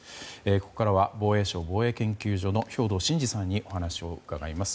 ここからは、防衛省防衛研究所の兵頭慎治さんにお話を伺います。